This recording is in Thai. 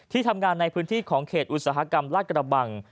ทำงานในพื้นที่ของเขตอุตสาหกรรมลาดกระบัง